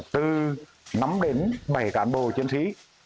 từ năm đến bảy cán bộ chiến sĩ